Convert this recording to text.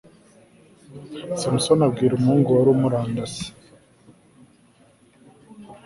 samusoni abwira umuhungu wari umurandase